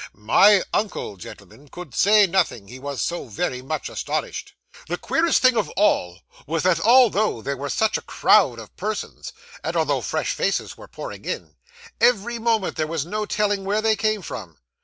'My uncle, gentlemen, could say nothing, he was so very much astonished. The queerest thing of all was that although there was such a crowd of persons, and although fresh faces were pouring in, every moment, there was no telling where they came from.